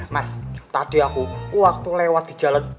mas tadi aku waktu lewat di jalan